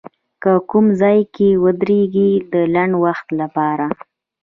که کوم ځای کې ودرېږي د لنډ وخت لپاره